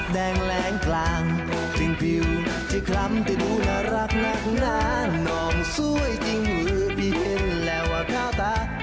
ดีดัชา